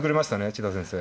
千田先生。